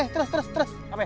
terus terus terus